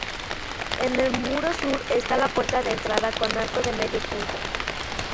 En el muro sur está la puerta de entrada con arco de medio punto.